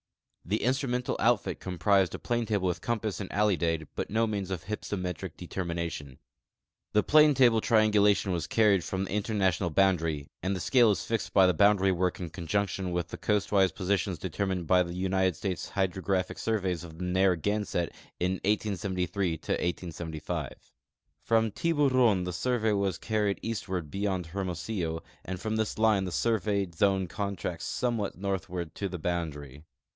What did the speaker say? The instrumental outfit comprised a planetable with compass and alidade, but no means of h3"psometric determination. The planetable triangulation was carried from the international boundaiy, and the scale is fixed by the boundary work in con junction with the coastwise positions determined by the United States Hydrographic surveys of the Narragamett in 1873 75. From Tihuron the surve.v Avas carried eastward beyond Hermo sillo, and from this line the survejmd zone contracts somewhat northward to the boundaiy.